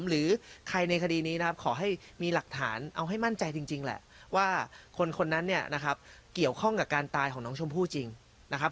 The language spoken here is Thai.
หรือใครในคดีนี้นะครับขอให้มีหลักฐานเอาให้มั่นใจจริงแหละว่าคนคนนั้นเนี่ยนะครับเกี่ยวข้องกับการตายของน้องชมพู่จริงนะครับ